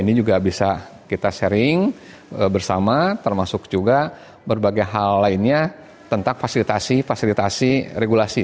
ini juga bisa kita sharing bersama termasuk juga berbagai hal lainnya tentang fasilitasi fasilitasi regulasi